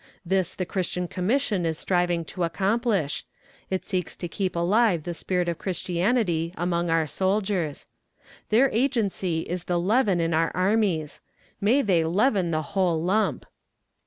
This the Christian Commission is striving to accomplish; it seeks to keep alive the spirit of Christianity among our soldiers. Their agency is the leaven in our armies. May they leaven the whole lump!